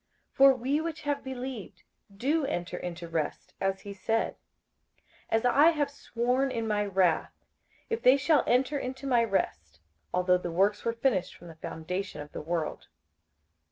58:004:003 For we which have believed do enter into rest, as he said, As I have sworn in my wrath, if they shall enter into my rest: although the works were finished from the foundation of the world.